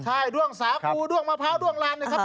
ใช่ด้วงสาคูด้วงมะพร้าวด้วงลานนะครับ